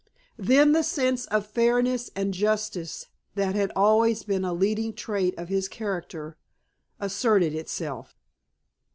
Then the sense of fairness and justice that had always been a leading trait of his character asserted itself.